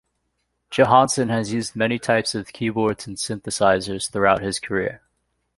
Johansson has used many types of keyboards and synthesizers throughout his career.